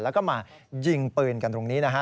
แล้วก็มายิงปืนกันตรงนี้นะฮะ